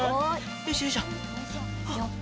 よいしょよいしょ。